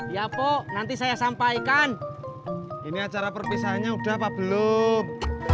ya pok nanti saya sampaikan ini acara perpisahannya udah apa belum